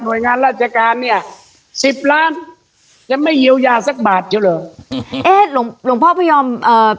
หิวยาศักดิ์บาทจะเจอเหรอเอ๊ะหลวงพ่อพระยอมเอ่อ